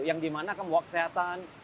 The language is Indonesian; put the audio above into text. yang dimana akan membuat kesehatan